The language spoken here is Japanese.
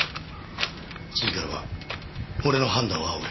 次からは俺の判断を仰げ。